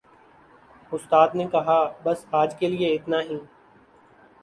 اُستاد نے کہا، "بس آج کے لئے اِتنا ہی"